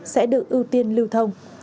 sẽ được ưu tiên lưu thông